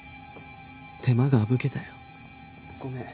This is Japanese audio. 手間が省けたよごめん。